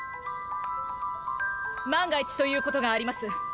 万が一ということがあります。